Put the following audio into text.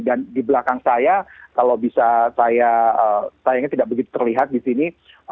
dan di belakang saya kalau bisa saya sayangnya tidak begitu terlihat di sini